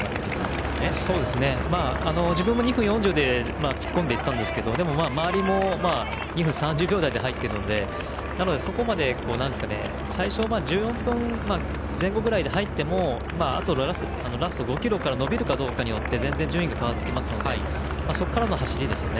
まあ、自分は２分４０で突っ込んでいったんですがでも、周りも２分３０秒台で入ってるので最初は１４分前後ぐらいで入っても、あとラスト５ｋｍから伸びるかで全然順位が変わってきますのでそこからの走りですよね。